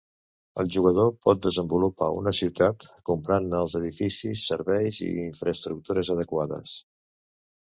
El jugador pot desenvolupar una ciutat comprant-ne els edificis, serveis i infraestructures adequades.